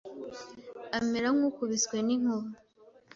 amera nk'ukubiswe n'inkuba